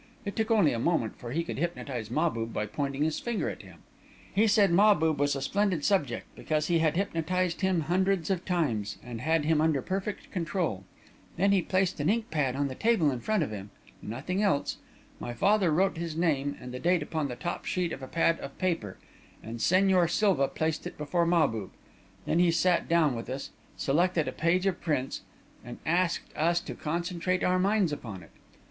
It took only a moment, for he could hypnotise Mahbub by pointing his finger at him. He said Mahbub was a splendid subject, because he had hypnotised him hundreds of times, and had him under perfect control. Then he placed an ink pad on the table in front of him nothing else. My father wrote his name and the date upon the top sheet of a pad of paper, and Señor Silva placed it before Mahbub. Then he sat down with us, selected a page of prints, and asked us to concentrate our minds upon it.